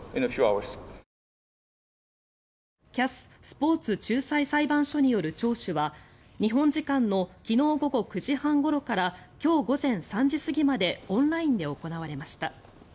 ＣＡＳ・スポーツ仲裁裁判所による聴取は日本時間の昨日午後９時半ごろから今日午前３時過ぎまでオンラインで行われました。